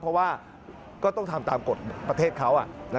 เพราะว่าก็ต้องทำตามกฎประเทศเขา